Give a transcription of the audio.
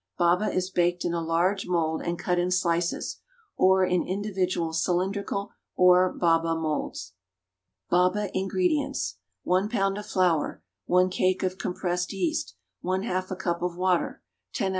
Baba is baked in a large mould and cut in slices, or in individual cylindrical or baba moulds. =BABA.= INGREDIENTS. 1 lb. of flour. 1 cake of compressed yeast. 1/2 a cup of water. 10 oz.